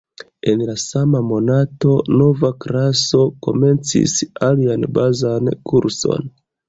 En la sama monato, nova klaso komencis alian bazan kurson.